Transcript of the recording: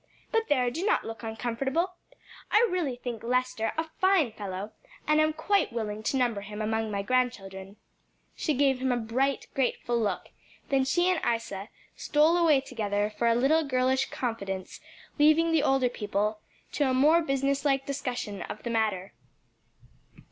"But there, do not look uncomfortable; I really think Lester a fine fellow, and am quite willing to number him among my grandchildren." She gave him a bright, grateful look; then she and Isa stole away together for a little girlish confidence, leaving the older people to a more business like discussion of the matter.